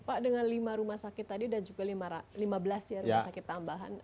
pak dengan lima rumah sakit tadi dan juga lima belas ya rumah sakit tambahan